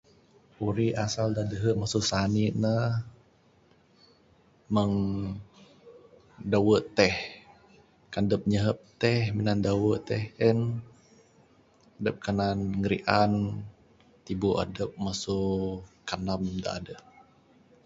Urik asal da dihu masu sane ne, mung dawu teh. Kan dup nyehup teh minan dawu teh en, dup kanan ngerian tibu adup masu kandam da aduh.